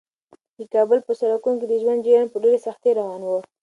د کابل په سړکونو کې د ژوند جریان په ډېرې سختۍ روان و.